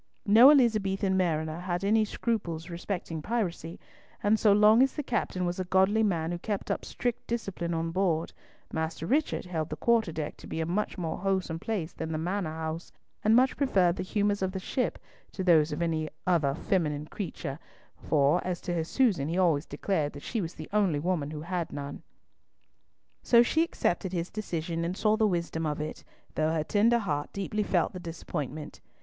No Elizabethan mariner had any scruples respecting piracy, and so long as the captain was a godly man who kept up strict discipline on board, Master Richard held the quarterdeck to be a much more wholesome place than the Manor house, and much preferred the humours of the ship to those of any other feminine creature; for, as to his Susan, he always declared that she was the only woman who had none. So she accepted his decision, and saw the wisdom of it, though her tender heart deeply felt the disappointment.